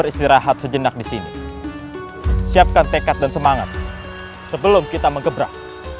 istirahat sejenak disini siapkan tekat dan semangat sebelum kita mengebrah